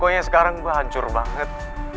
pokoknya sekarang hancur banget